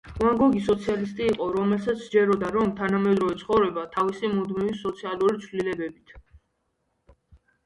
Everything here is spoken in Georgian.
ვან გოგი სოციალისტი იყო, რომელსაც სჯეროდა, რომ თანამედროვე ცხოვრება, თავისი მუდმივი სოციალური ცვლილებებით